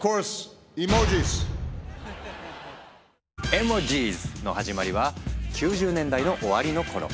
エモジズの始まりは９０年代の終わりの頃。